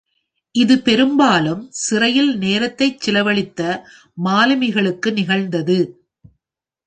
இது பெரும்பாலும் சிறையில் நேரத்தைச் செலவழித்த மாலுமிகளுக்கு நிகழ்ந்தது.